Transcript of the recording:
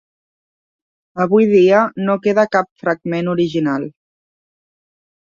Avui dia, no queda cap fragment original.